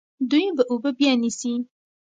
دوی به اوبه بیا نیسي.